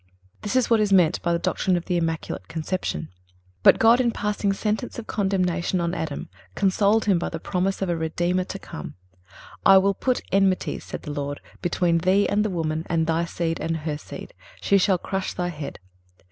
This is what is meant by the doctrine of the Immaculate Conception. But God, in passing sentence of condemnation on Adam, consoled him by the promise of a Redeemer to come. "I will put enmities," saith the Lord, "between thee and the woman, and thy seed and her seed; she shall crush thy head."